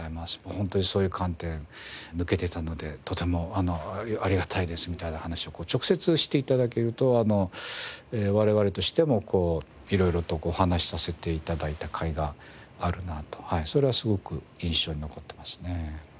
「ホントにそういう観点抜けてたのでとてもありがたいです」みたいな話を直接して頂けると我々としても色々とお話しさせて頂いたかいがあるなとそれはすごく印象に残ってますね。